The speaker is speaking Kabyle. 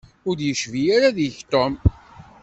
Ur d-yecbi ara deg-k Tom.